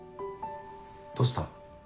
どうした？